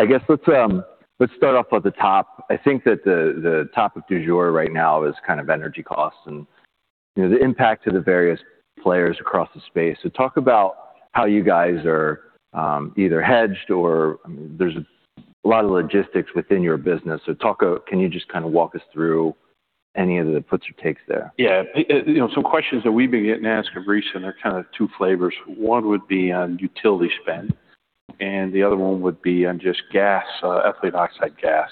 I guess let's start off at the top. I think that the topic du jour right now is kind of energy costs and, you know, the impact to the various players across the space. Talk about how you guys are either hedged or, I mean, there's a lot of logistics within your business. Can you just kind of walk us through any of the puts or takes there? Yeah. You know, some questions that we've been getting asked of recent are kind of two flavors. One would be on utility spend and the other one would be on just gas, ethylene oxide gas.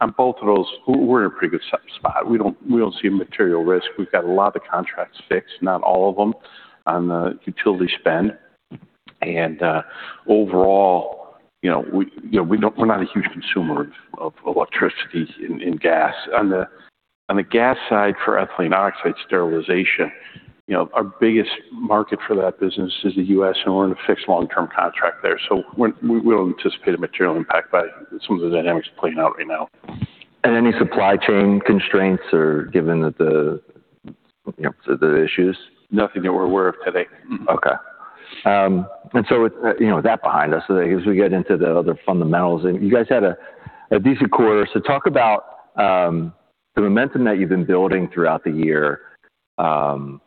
On both of those, we're in a pretty good spot. We don't see material risk. We've got a lot of the contracts fixed, not all of them, on the utility spend. Overall, you know, you know, we're not a huge consumer of electricity and gas. On the gas side for ethylene oxide sterilization, you know, our biggest market for that business is the U.S. and we're in a fixed long-term contract there. We don't anticipate a material impact by some of the dynamics playing out right now. Any supply chain constraints or given that the, you know, the issues? Nothing that we're aware of today. Okay. With you know that behind us, as we get into the other fundamentals, you guys had a decent quarter. Talk about the momentum that you've been building throughout the year. You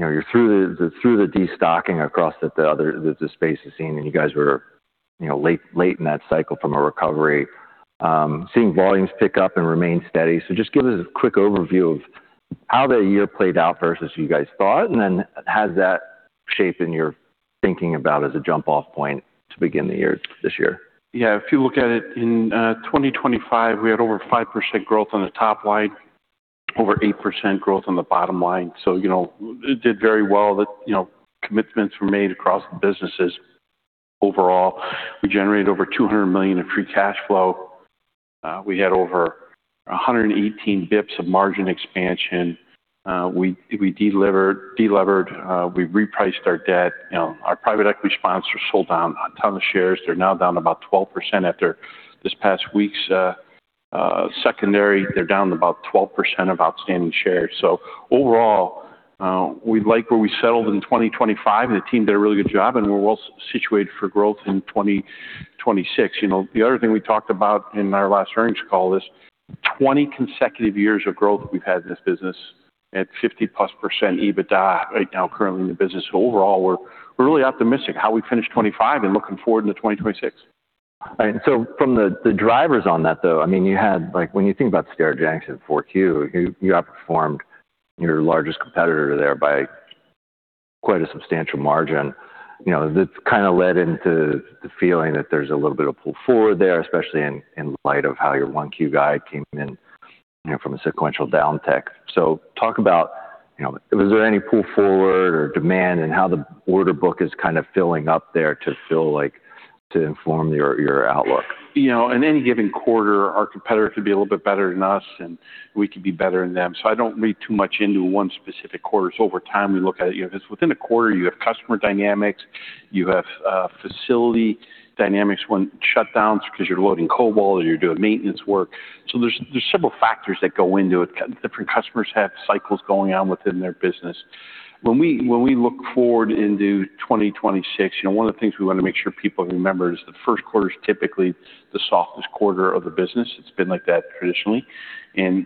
know, you're through the destocking across the other spaces seen and you guys were you know late in that cycle from a recovery, seeing volumes pick up and remain steady. Just give us a quick overview of how the year played out versus you guys thought and then has that shape in your thinking about as a jump off point to begin the year, this year? Yeah. If you look at it in 2025, we had over 5% growth on the top line, over 8% growth on the bottom line. You know, it did very well that, you know, commitments were made across the businesses. Overall, we generated over $200 million in free cash flow. We had over 118 basis points of margin expansion. We de-levered, we repriced our debt. You know, our private equity sponsors sold down a ton of shares. They're now down about 12% after this past week's secondary. They're down about 12% of outstanding shares. Overall, we like where we settled in 2025 and the team did a really good job and we're well situated for growth in 2026. You know, the other thing we talked about in our last earnings call is 20 consecutive years of growth we've had in this business at 50+% EBITDA right now currently in the business. Overall, we're really optimistic how we finish 2025 and looking forward into 2026. All right. From the drivers on that, though, I mean, you had like when you think about Sterigenics in 4Q, you outperformed your largest competitor there by quite a substantial margin. You know, that's kind of led into the feeling that there's a little bit of pull forward there, especially in light of how your 1Q guide came in, you know, from a sequential downtick. Talk about, you know, was there any pull forward or demand and how the order book is kind of filling up there to feel like to inform your outlook. You know, in any given quarter, our competitor could be a little bit better than us and we could be better than them. I don't read too much into one specific quarters. Over time, we look at, you know, if it's within a quarter, you have customer dynamics, you have facility dynamics when shutdowns because you're loading Cobalt-60 or you're doing maintenance work. So there's several factors that go into it. Different customers have cycles going on within their business. When we look forward into 2026, you know, one of the things we want to make sure people remember is the first quarter is typically the softest quarter of the business. It's been like that traditionally.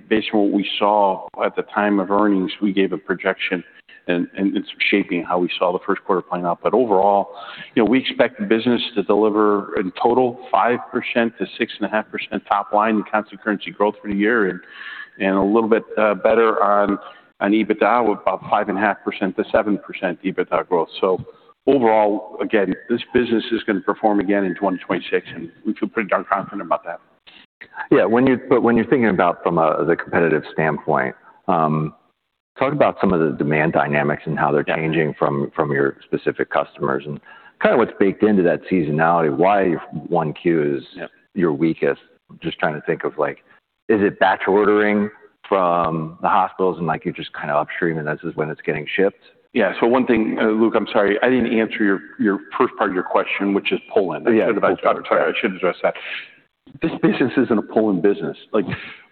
Based on what we saw at the time of earnings, we gave a projection and some shaping how we saw the first quarter playing out. Overall, you know, we expect the business to deliver in total 5%-6.5% top line in constant currency growth for the year and a little bit better on EBITDA with about 5.5%-7% EBITDA growth. Overall, again, this business is going to perform again in 2026 and we feel pretty darn confident about that. Yeah. When you're thinking about, from a competitive standpoint, talk about some of the demand dynamics and how they're changing from your specific customers and kind of what's baked into that seasonality, why one Q is your weakest. Just trying to think of, like, is it batch ordering from the hospitals and, like, you're just kind of upstream and this is when it's getting shipped? Yeah. One thing, Luke, I'm sorry, I didn't answer your first part of your question, which is pull-in. I should address that. This business isn't a pull-in business. Like,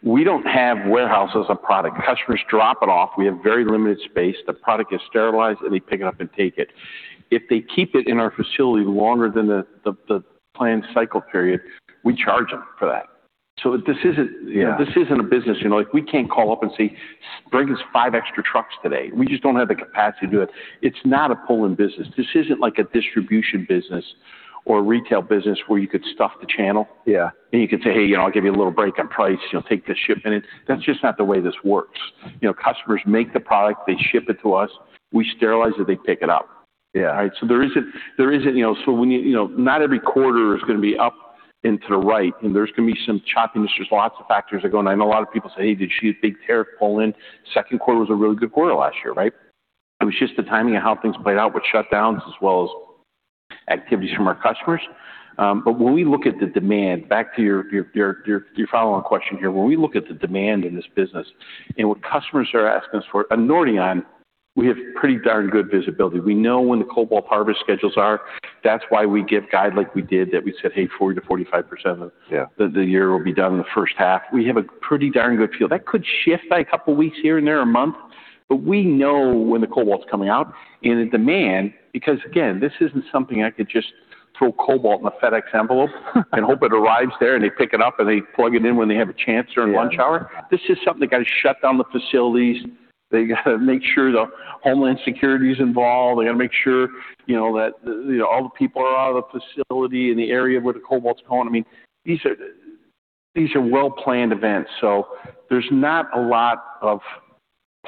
we don't have warehouses of product. Customers drop it off. We have very limited space. The product gets sterilized and they pick it up and take it. If they keep it in our facility longer than the planned cycle period, we charge them for that. This isn't a business, you know, like, we can't call up and say, "Bring us five extra trucks today." We just don't have the capacity to do it. It's not a pull-in business. This isn't like a distribution business or a retail business where you could stuff the channel. You could say, "Hey, you know, I'll give you a little break on price. You know, take this shipment in." That's just not the way this works. You know, customers make the product, they ship it to us, we sterilize it, they pick it up. All right? There isn't, you know, not every quarter is gonna be up and to the right and there's gonna be some choppiness. There's lots of factors that go in. I know a lot of people say, "Hey, did you see a big tariff pull-in?" Second quarter was a really good quarter last year, right? It was just the timing of how things played out with shutdowns as well as activities from our customers. When we look at the demand, back to your follow-on question here. When we look at the demand in this business and what customers are asking us for and Nordion, we have pretty darn good visibility. We know when the Cobalt-60 harvest schedules are. That's why we give guidance like we did, that we said, "Hey, 40%-45% of the year will be done in the first half.” We have a pretty darn good feel. That could shift by a couple weeks here and there, a month but we know when the Cobalt-60's coming out and the demand, because again, this isn't something I could just throw Cobalt-60 in a FedEx envelope and hope it arrives there and they pick it up and they plug it in when they have a chance during lunch hour. This is something that got to shut down the facilities. They got to make sure the Homeland Security is involved. They got to make sure, you know, that all the people are out of the facility in the area where the cobalt's going. I mean, these are, these are well-planned events, so there's not a lot of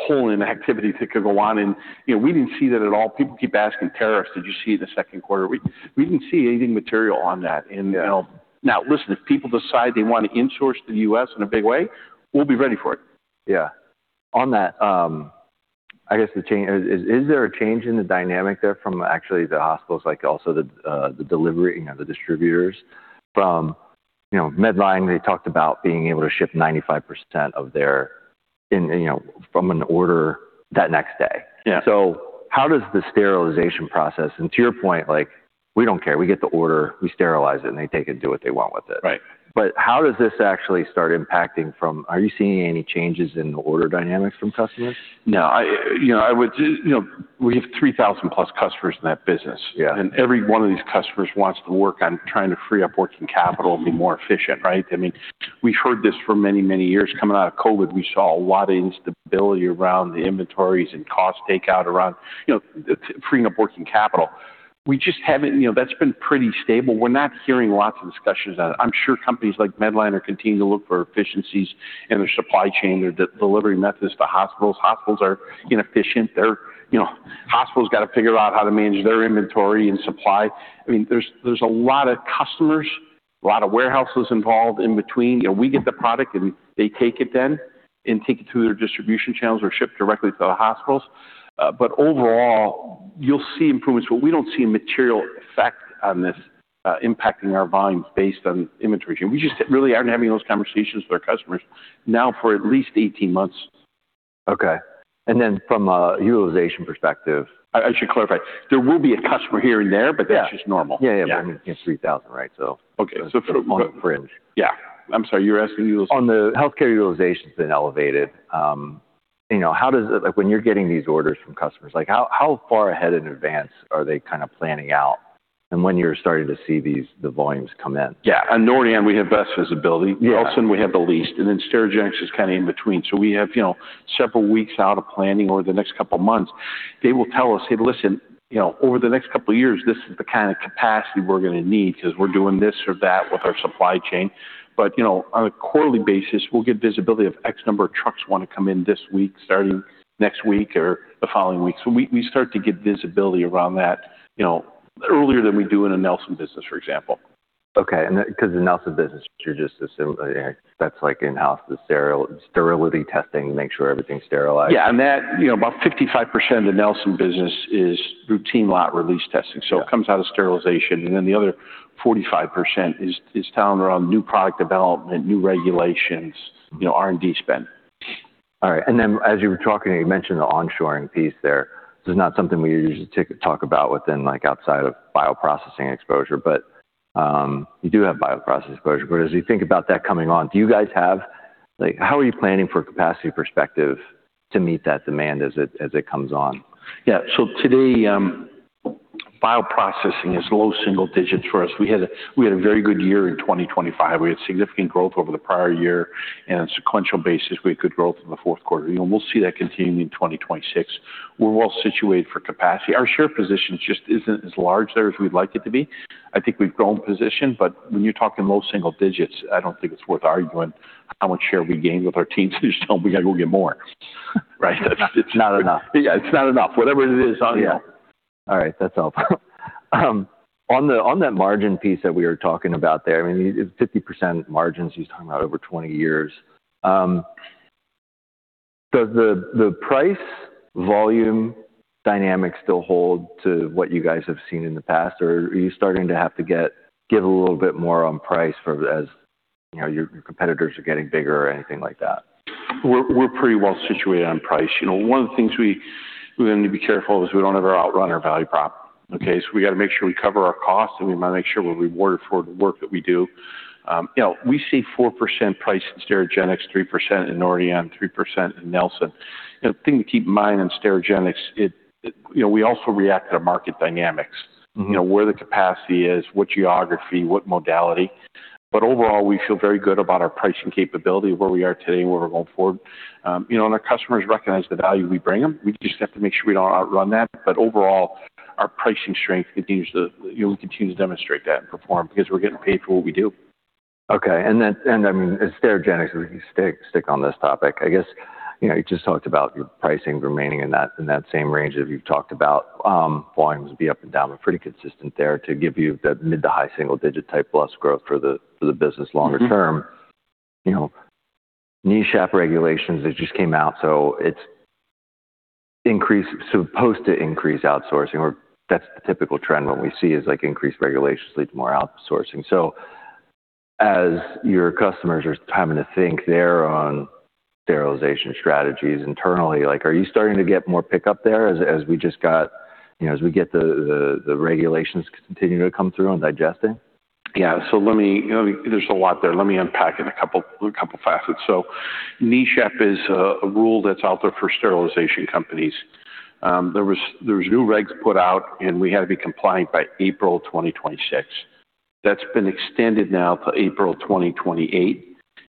pull-in activity that could go on. You know, we didn't see that at all. People keep asking tariffs, did you see the second quarter? We didn't see anything material on that. Now listen, if people decide they want to in-source the U.S. in a big way, we'll be ready for it. Yeah. On that, I guess. Is there a change in the dynamic there from actually the hospitals, like also the delivery, you know, the distributors from, you know, Medline, they talked about being able to ship 95% of their orders the next day. To your point, like, we don't care. We get the order, we sterilize it and they take it and do what they want with it. How does this actually start impacting from? Are you seeing any changes in the order dynamics from customers? No. You know, we have 3,000+ customers in that business. Every one of these customers wants to work on trying to free up working capital and be more efficient, right? I mean, we've heard this for many, many years. Coming out of COVID, we saw a lot of instability around the inventories and cost takeout around, you know, freeing up working capital. We just haven't, you know, that's been pretty stable. We're not hearing lots of discussions on it. I'm sure companies like Medline are continuing to look for efficiencies in their supply chain, their delivery methods to hospitals. Hospitals are inefficient. They're, you know, hospitals got to figure out how to manage their inventory and supply. I mean, there's a lot of customers, a lot of warehouses involved in between. We get the product and they take it then and take it to their distribution channels or ship directly to the hospitals. Overall, you'll see improvements but we don't see a material effect on this impacting our volumes based on inventory. We just really aren't having those conversations with our customers now for at least 18 months. Okay. From a utilization perspective. I should clarify, there will be a customer here and there but that's just normal. Yeah. Yeah, 3,000, right, so on the fringe. Yeah. I'm sorry, you're asking utilization. On the healthcare utilization's been elevated, you know, like when you're getting these orders from customers, like how far ahead in advance are they kind of planning out and when you're starting to see these, the volumes come in? Yeah. On Nordion we have best visibility. Nelson, we have the least and then Sterigenics is kind of in between. We have, you know, several weeks out of planning over the next couple of months. They will tell us, "Hey, listen, you know, over the next couple of years, this is the kind of capacity we're going to need because we're doing this or that with our supply chain." You know, on a quarterly basis, we'll get visibility of X number of trucks want to come in this week, starting next week or the following week. We start to get visibility around that, you know, earlier than we do in a Nelson business, for example. Okay. Because the Nelson Labs, that's like in-house, the sterility testing to make sure everything's sterilized. Yeah. That, you know, about 55% of the Nelson business is routine lot release testing. It comes out of sterilization. The other 45% is talent around new product development, new regulations, you know, R&D spend. All right. As you were talking, you mentioned the onshoring piece there. This is not something we usually talk about within like outside of bioprocessing exposure but you do have bioprocessing exposure. As you think about that coming on, do you guys have like how are you planning for capacity perspective to meet that demand as it comes on? Yeah. Today, bioprocessing is low single digits for us. We had a very good year in 2025. We had significant growth over the prior year and sequential basis, we had good growth in the fourth quarter. You know, we'll see that continuing in 2026. We're well situated for capacity. Our share position just isn't as large there as we'd like it to be. I think we've grown position but when you're talking low single digits, I don't think it's worth arguing how much share we gain with our teams. They just tell me, "I gotta go get more. Right. It's not enough. Yeah. It's not enough. Whatever it is. Yeah. All right. That's all. On that margin piece that we were talking about there, I mean, 50% margins you're talking about over 20 years. Does the price volume dynamic still hold to what you guys have seen in the past? Or are you starting to have to give a little bit more on price because, as you know, your competitors are getting bigger or anything like that? We're pretty well situated on price. You know, one of the things we learn to be careful is we don't ever outrun our value prop, okay? So we got to make sure we cover our costs and we want to make sure we're rewarded for the work that we do. You know, we see 4% price in Sterigenics, 3% in Nordion, 3% in Nelson. You know, the thing to keep in mind in Sterigenics. You know, we also react to market dynamics. You know, where the capacity is, what geography, what modality. Overall, we feel very good about our pricing capability, where we are today and where we're going forward. You know, our customers recognize the value we bring them. We just have to make sure we don't outrun that. Overall, our pricing strength continues to, you know, we continue to demonstrate that and perform because we're getting paid for what we do. Okay. I mean, at Sterigenics, if we stick on this topic, I guess, you know, you just talked about your pricing remaining in that same range as you've talked about, volumes be up and down. We're pretty consistent there to give you the mid- to high-single-digit type plus growth for the business longer term. You know, NESHAP regulations that just came out, so it's supposed to increase outsourcing or that's the typical trend. What we see is, like, increased regulations lead to more outsourcing. Your customers are having to think through their sterilization strategies internally. Like, are you starting to get more pickup there as we just got, you know, as we get the regulations continue to come through and digest it? Yeah. There's a lot there. Let me unpack in a couple facets. NESHAP is a rule that's out there for sterilization companies. There was new regs put out and we had to be compliant by April 2026. That's been extended now to April 2028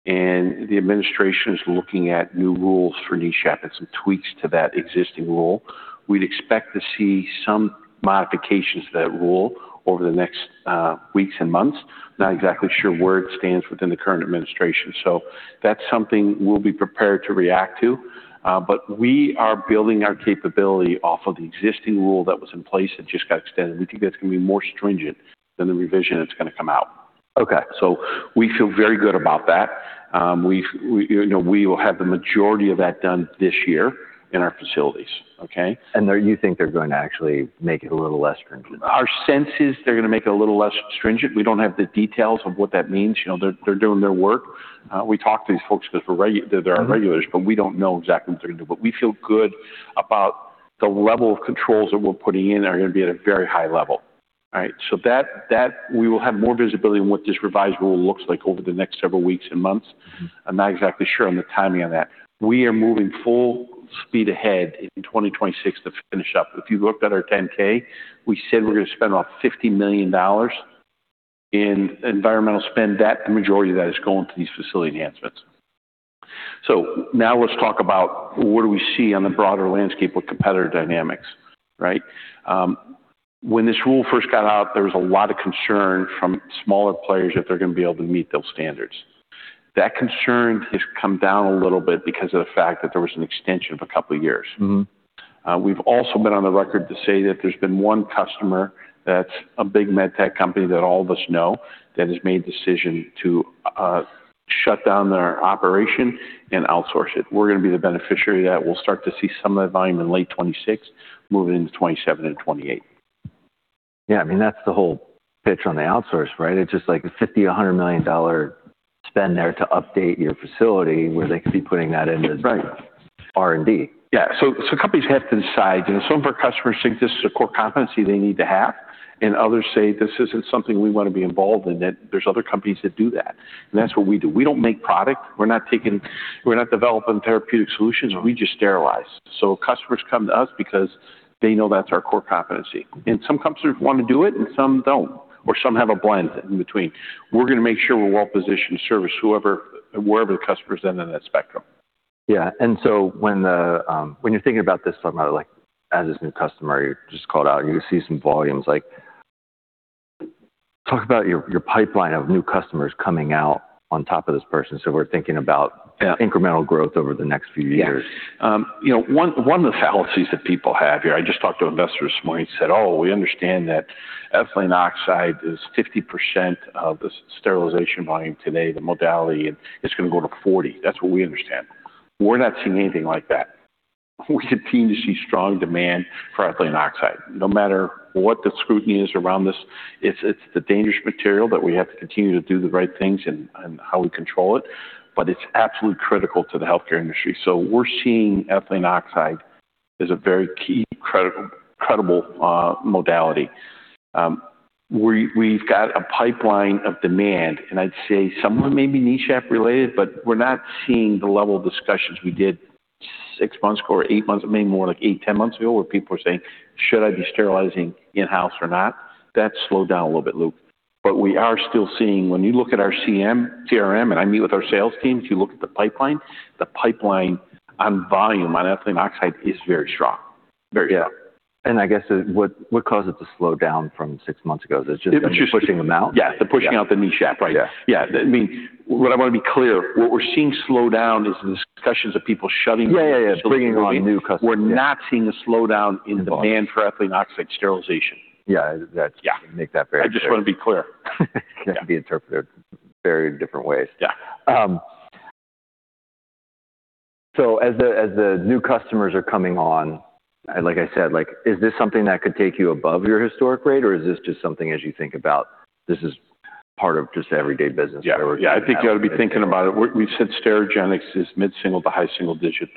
and the administration is looking at new rules for NESHAP and some tweaks to that existing rule. We'd expect to see some modifications to that rule over the next weeks and months. Not exactly sure where it stands within the current administration. That's something we'll be prepared to react to. We are building our capability off of the existing rule that was in place that just got extended. We think that's going to be more stringent than the revision that's going to come out. We feel very good about that. We, you know, we will have the majority of that done this year in our facilities. Okay? You think they're going to actually make it a little less stringent? Our sense is they're going to make it a little less stringent. We don't have the details of what that means. You know, they're doing their work. We talk to these folks because they're our regulators but we don't know exactly what they're gonna do. We feel good about the level of controls that we're putting in are gonna be at a very high level. All right. We will have more visibility on what this revised rule looks like over the next several weeks and months. I'm not exactly sure on the timing on that. We are moving full speed ahead in 2026 to finish up. If you looked at our 10-K, we said we're going to spend about $50 million in environmental spend. The majority of that is going to these facility enhancements. Now let's talk about what do we see on the broader landscape with competitor dynamics, right? When this rule first got out, there was a lot of concern from smaller players if they're going to be able to meet those standards. That concern has come down a little bit because of the fact that there was an extension of a couple of years. We've also been on the record to say that there's been one customer that's a big med tech company that all of us know that has made decision to shut down their operation and outsource it. We're gonna be the beneficiary of that. We'll start to see some of that volume in late 2026 moving into 2027 and 2028. Yeah, I mean, that's the whole pitch on the outsource, right? It's just like a $50-$100 million spend there to update your facility where they could be putting that into R&D. Yeah. Companies have to decide. You know, some of our customers think this is a core competency they need to have and others say, this isn't something we want to be involved in, that there's other companies that do that and that's what we do. We don't make product. We're not developing therapeutic solutions. We just sterilize. Customers come to us because they know that's our core competency. Some customers want to do it and some don't or some have a blend in between. We're gonna make sure we're well positioned to service wherever the customer is in that spectrum. Yeah. When you're thinking about this, like, as this new customer you just called out, you see some volumes. Like, talk about your pipeline of new customers coming out on top of this person. We're thinking about incremental growth over the next few years. Yeah. You know, one of the fallacies that people have here. I just talked to an investor this morning, said, "Oh, we understand that ethylene oxide is 50% of the sterilization volume today, the modality and it's gonna go to 40. That's what we understand." We're not seeing anything like that. We continue to see strong demand for ethylene oxide. No matter what the scrutiny is around this, it's a dangerous material that we have to continue to do the right things in how we control it but it's absolutely critical to the healthcare industry. We're seeing ethylene oxide as a very key credible modality. We've got a pipeline of demand and I'd say some of it may be NESHAP related but we're not seeing the level of discussions we did six months ago or eight months, maybe more like eight, 10 months ago, where people were saying, "Should I be sterilizing in-house or not?" That's slowed down a little bit, Luke. We are still seeing when you look at our CRM and I meet with our sales teams, you look at the pipeline, the pipeline on volume on ethylene oxide is very strong. Yeah. I guess what caused it to slow down from six months ago? Is it just them pushing them out? Yeah, they're pushing out the NESHAP. Yeah. I mean, what I want to be clear, what we're seeing slow down is the discussions of people shutting down. Yeah, yeah. Bringing on new customers. We're not seeing a slowdown in demand for ethylene oxide sterilization. Yeah. Make that very clear. I just want to be clear. Can be interpreted very different ways. As the new customers are coming on, like I said, like, is this something that could take you above your historic rate or is this just something, as you think about this, is part of just everyday business? Yeah. I think you ought to be thinking about it. We've said Sterigenics is mid-single to high single digit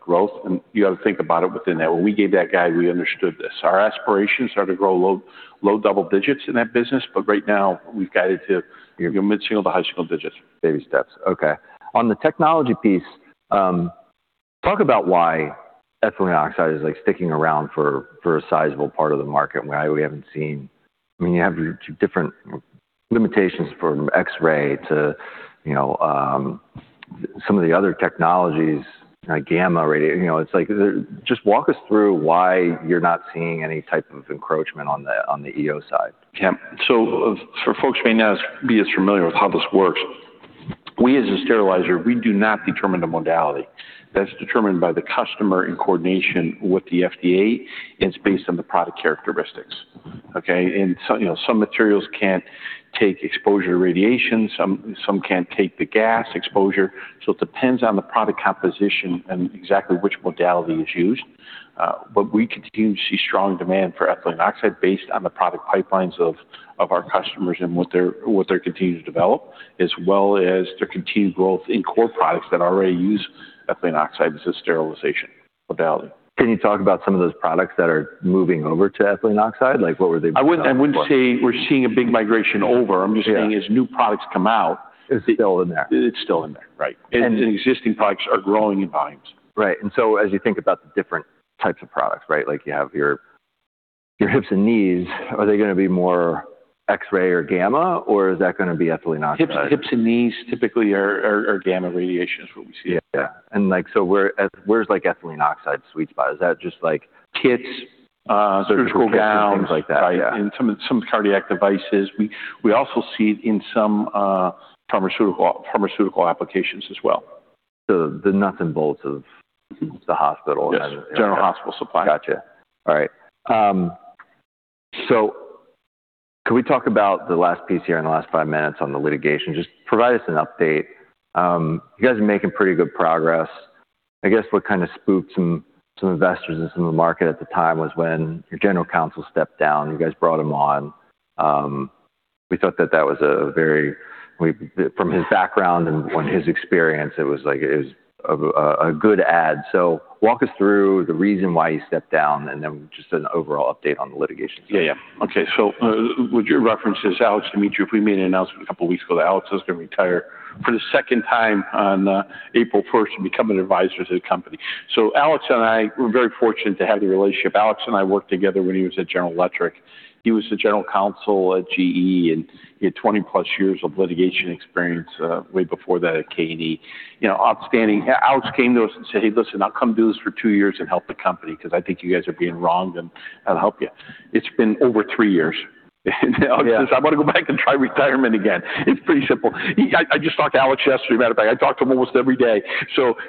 growth and you got to think about it within that. When we gave that guide, we understood this. Our aspirations are to grow low double digits in that business but right now we've guided to our mid-single to high single digits. Baby steps. Okay. On the technology piece, talk about why ethylene oxide is like sticking around for a sizable part of the market and why we haven't seen. I mean, you have your different limitations from X-ray to, you know, some of the other technologies like gamma radiation. You know, it's like. Just walk us through why you're not seeing any type of encroachment on the EO side. Yeah. For folks who may not be as familiar with how this works, we as a sterilizer, we do not determine the modality. That's determined by the customer in coordination with the FDA and it's based on the product characteristics. Okay. You know, some materials can't take exposure to radiation, some can't take the gas exposure. It depends on the product composition and exactly which modality is used. We continue to see strong demand for ethylene oxide based on the product pipelines of our customers and what they're continuing to develop, as well as their continued growth in core products that already use ethylene oxide as a sterilization. Can you talk about some of those products that are moving over to ethylene oxide? Like, what were they? I wouldn't say we're seeing a big migration over. I'm just saying as new products come out. It's still in there. It's still in there, right. The existing products are growing in volumes. Right. As you think about the different types of products, right? Like, you have your hips and knees, are they gonna be more X-ray or gamma or is that gonna be ethylene oxide? Hips and knees typically are gamma radiation is what we see. Like, where's ethylene oxide's sweet spot? Is that just, like. Kits, surgical gowns. Surgical kits and things like that. Yeah. Right. Some cardiac devices. We also see it in some pharmaceutical applications as well. The nuts and bolts of the hospital and. Yes. General hospital supply. Gotcha. All right. Can we talk about the last piece here in the last five minutes on the litigation? Just provide us an update. You guys are making pretty good progress. I guess what kind of spooked some investors and some of the market at the time was when your General Counsel stepped down, you guys brought him on. We thought that was a very good add from his background and his experience. It was like a good add. Walk us through the reason why he stepped down and then just an overall update on the litigation. Yeah, yeah. Okay. With your references, Alex Dimitrief, if we made an announcement a couple weeks ago that Alex was gonna retire for the second time on April first and become an advisor to the company. Alex and I, we're very fortunate to have the relationship. Alex and I worked together when he was at General Electric. He was the General Counsel at GE and he had 20-plus years of litigation experience way before that at K&E. You know, outstanding. Alex came to us and said, "Hey, listen, I'll come do this for two years and help the company because I think you guys are being wronged and I'll help you." It's been over three years. Alex says, "I wanna go back and try retirement again." It's pretty simple. I just talked to Alex yesterday, matter of fact. I talk to him almost every day.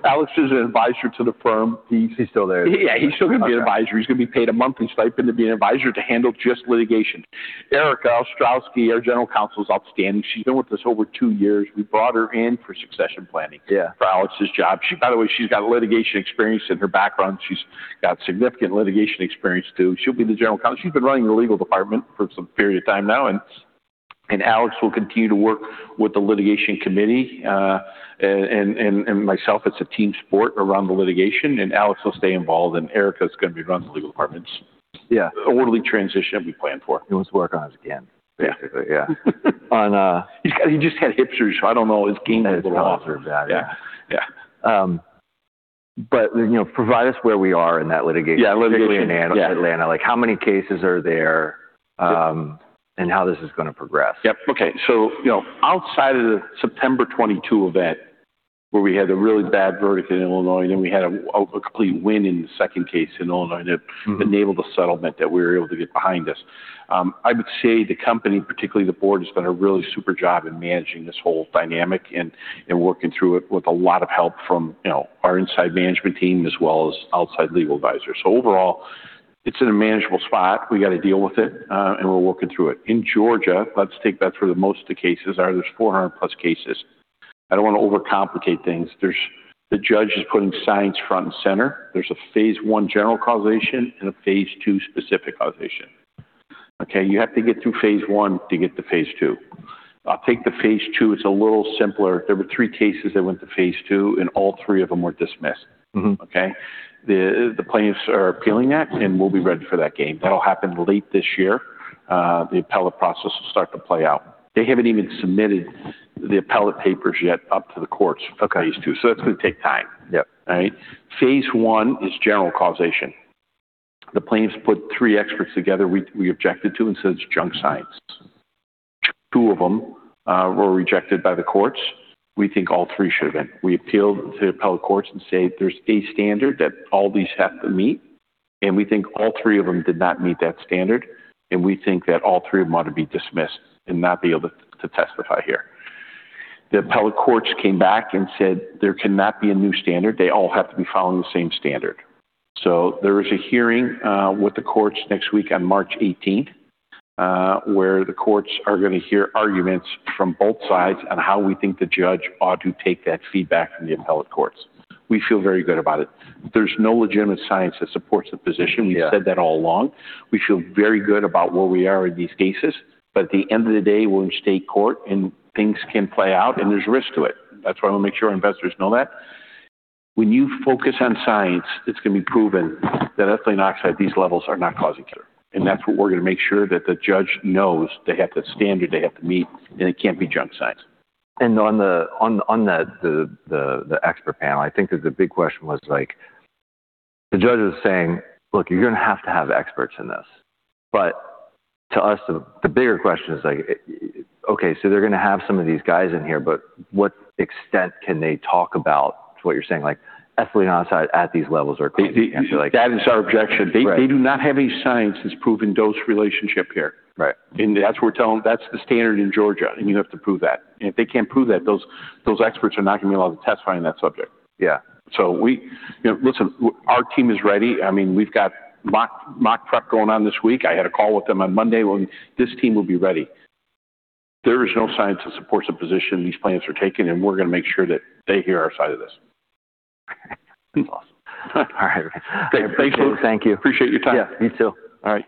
Alex is an advisor to the firm. He's still there. Yeah. He's still gonna be an advisor. He's gonna be paid a monthly stipend to be an advisor to handle just litigation. Erika Ostrowski, our General Counsel, is outstanding. She's been with us over two years. We brought her in for succession planning for Alex's job. She, by the way, she's got litigation experience in her background. She's got significant litigation experience too. She'll be the General Counsel. She's been running the legal department for some period of time now and Alex will continue to work with the litigation committee and myself. It's a team sport around the litigation and Alex will stay involved and Erica's gonna be running the legal department. An orderly transition we planned for. He wants to work on us again. Yeah. He just had hip surgery, so I don't know. His game might go off. That's awesome. Yeah. Yeah. Yeah. You know, provide us where we are in that litigation. Yeah. Litigation. Atlanta. Like, how many cases are there and how this is gonna progress. Yep, okay. You know, outside of the September 2022 event where we had a really bad verdict in Illinois, then we had a complete win in the second case in Illinois that enabled a settlement that we were able to get behind us. I would say the company, particularly the board, has done a really super job in managing this whole dynamic and working through it with a lot of help from, you know, our inside management team as well as outside legal advisors. Overall, it's in a manageable spot. We got to deal with it and we're working through it. In Georgia, let's take that. There's 400-plus cases. I don't wanna overcomplicate things. The judge is putting science front and center. There's a phase I general causation and a phase II specific causation. Okay? You have to get through phase I to get to phase II. I'll take the phase II, it's a little simpler. There were three cases that went to phase II and all three of them were dismissed. Okay? The plaintiffs are appealing that and we'll be ready for that game. That'll happen late this year. The appellate process will start to play out. They haven't even submitted the appellate papers yet to the courts for phase II, so that's gonna take time All right? Phase I is general causation. The plaintiffs put three experts together we objected to and said it's junk science. Two of them were rejected by the courts. We think all three should have been. We appealed to the appellate courts and say there's a standard that all these have to meet and we think all three of them did not meet that standard and we think that all three of them ought to be dismissed and not be able to testify here. The appellate courts came back and said, "There cannot be a new standard. They all have to be following the same standard." There is a hearing with the courts next week on March eighteenth where the courts are gonna hear arguments from both sides on how we think the judge ought to take that feedback from the appellate courts. We feel very good about it. There's no legitimate science that supports the position. We've said that all along. We feel very good about where we are in these cases but at the end of the day, we're in state court and things can play out and there's risk to it. That's why I wanna make sure our investors know that. When you focus on science, it's gonna be proven that ethylene oxide, these levels are not causing cancer. That's what we're gonna make sure that the judge knows they have the standard they have to meet and it can't be junk science. On that, the expert panel, I think that the big question was, like, the judge is saying, "Look, you're gonna have to have experts in this." To us the bigger question is like, okay, so they're gonna have some of these guys in here but to what extent can they talk about what you're saying, like, ethylene oxide at these levels are causing cancer. That is our objection. They do not have any science that's proven dose relationship here. That's what we're telling them, that's the standard in Georgia and you have to prove that. If they can't prove that, those experts are not gonna be allowed to testify on that subject. You know, listen, our team is ready. I mean, we've got mock prep going on this week. I had a call with them on Monday. This team will be ready. There is no science that supports the position these plaintiffs are taking and we're gonna make sure that they hear our side of this. Awesome. All right. Thank you. Thank you. Appreciate your time. Yeah, me too. All right.